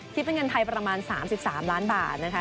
ที่เป็นเงินไทยประมาณสามสิบสามล้านบาทนะคะ